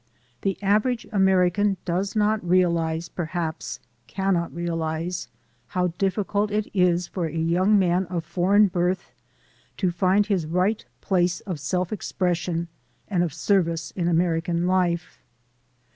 The average American does not realize, perhaps cannot realize, how difficult it is for a young man of foreign birth to find his right place of self expres sion and of service in American life.